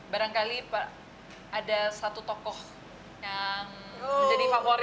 barangkali ada satu tokoh yang menjadi favorit banyak orang